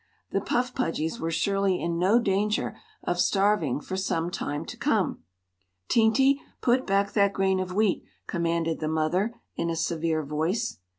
The Puff Pudgys were surely in no danger of starving for some time to come. "Teenty! Put back that grain of wheat," commanded the mother, in a severe voice.